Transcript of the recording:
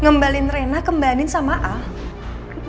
ngembalin rena kembalin sama al